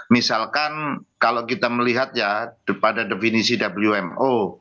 misalkan kalau kita melihat ya pada definisi wmo